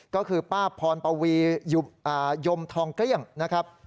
ก็คือป้าพรปวียมทองเกลี้ยงนะครับ